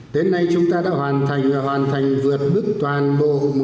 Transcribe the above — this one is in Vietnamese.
đến nay chúng ta đã hoàn thành và hoàn thành vượt mức toàn bộ